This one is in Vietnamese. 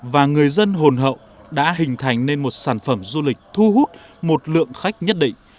và người dân hồn hậu đã hình thành nên một sản phẩm du lịch thu hút một lượng khách nhất định